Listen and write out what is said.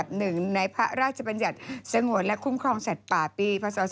ไม่เหมือนสิ